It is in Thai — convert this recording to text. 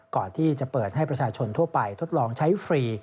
ก่อนที่จะเปิดให้ประชาชนทั่วไปทดลองใช้ฟรี